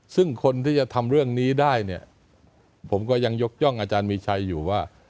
ซึ่งคนที่จะทำเรื่องนี้ได้เนี่ยผมก็ยังยกย่องอาจารย์มีชัยอยู่ว่า